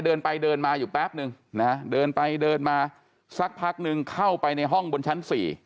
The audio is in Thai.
เดินไปเดินมาอยู่แป๊บนึงนะฮะเดินไปเดินมาสักพักนึงเข้าไปในห้องบนชั้น๔